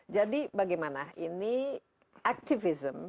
jadi bagaimana ini activism